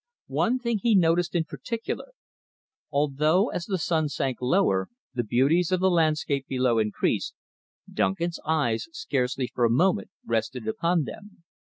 One thing he noticed in particular. Although, as the sun sank lower, the beauties of the landscape below increased, Duncan's eyes scarcely for a moment rested upon them.